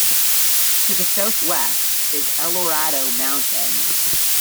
To the southwest is Eldorado Mountain.